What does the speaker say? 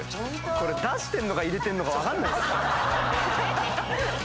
これ出してんのか入れてんのか分かんないっすね。